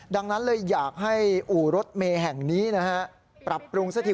ดังนั้นเลยอยากให้อู่รถเมย์แห่งนี้นะฮะปรับปรุงซะที